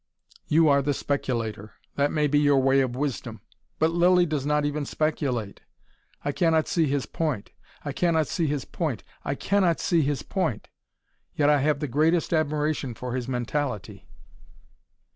You are the speculator. That may be your way of wisdom. But Lilly does not even speculate. I cannot see his point. I cannot see his point. I cannot see his point. Yet I have the greatest admiration for his mentality."